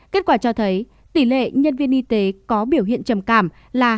kết quả cho thấy tỷ lệ nhân viên y tế có biểu hiện trầm cảm là hai mươi ba sáu